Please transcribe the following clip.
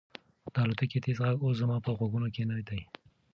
د الوتکې تېز غږ اوس زما په غوږونو کې نه دی.